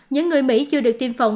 những người mỹ chưa được tiêm phòng